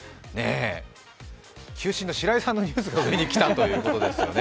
球審の白井さんのニュースが上に来たということですね。